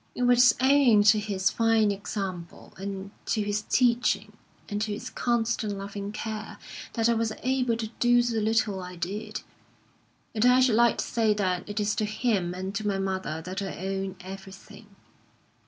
It was owing to his fine example, and to his teaching, and to his constant, loving care, that I was able to do the little I did. And I should like to say that it is to him and to my mother that I owe everything.